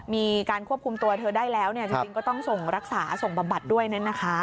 มีการควบคุมตัวเธอได้แล้วจริงก็ต้องส่งรักษาส่งบำบัดด้วยนะคะ